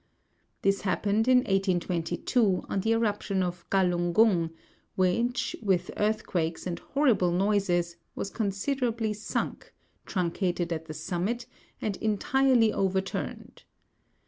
This happened in 1822, on the eruption of Gallung Gung, which, with earthquakes and horrible noises, was considerably sunk, truncated at the summit, and entirely overturned.